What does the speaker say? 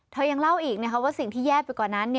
ยังเล่าอีกว่าสิ่งที่แย่ไปกว่านั้น